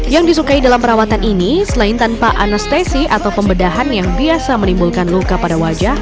yang disukai dalam perawatan ini selain tanpa anestesi atau pembedahan yang biasa menimbulkan luka pada wajah